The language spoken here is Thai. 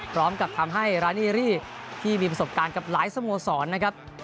พร้อมกับทำให้รานีรี่ที่มีประสบการณ์กับหลายสโมสรนะครับ